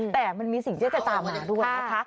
แต่มันมีสิ่งที่จะตามมาด้วยนะคะ